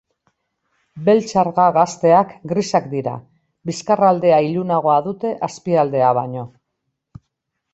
Beltxarga gazteak grisak dira, bizkarraldea ilunagoa dute azpialdea baino.